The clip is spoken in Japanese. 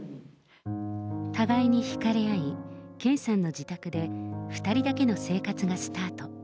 互いに引かれ合い、健さんの自宅で２人だけの生活がスタート。